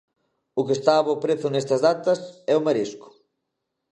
O que está a bo prezo nestas datas é o marisco.